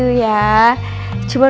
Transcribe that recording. ntar lo juga tau